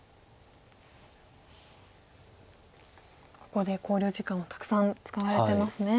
ここで考慮時間をたくさん使われてますね。